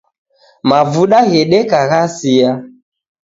Mavuda ghedeka ghasia.